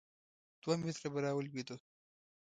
دوه متره به را ولوېدو.